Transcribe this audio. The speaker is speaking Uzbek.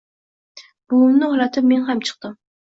Buvimni uxlatib men ham chiqdim.